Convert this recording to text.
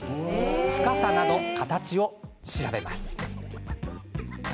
深さなど、形を調べます。